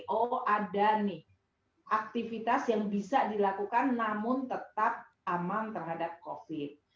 jadi oh ada nih aktivitas yang bisa dilakukan namun tetap aman terhadap covid